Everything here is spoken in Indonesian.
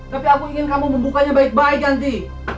tapi aku ingin kamu membukanya baik baik nanti